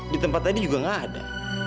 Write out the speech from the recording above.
di tempat tadi juga nggak ada